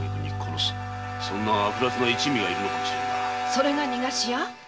それが「逃がし屋」？